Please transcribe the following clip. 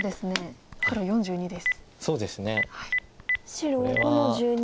白５の十二。